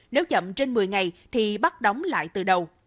nếu chậm trên một mươi ngày thì bắt đóng lại từ đầu